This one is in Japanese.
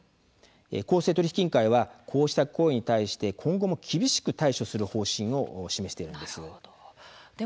公正取引委員会はこうした行為に対して今後も厳しく対処する方針を示しています。